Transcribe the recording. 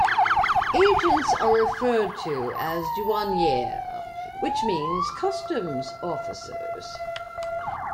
Agents are referred to as "douaniers", which means customs officers.